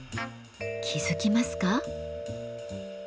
気付きますか？